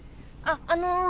あっあの。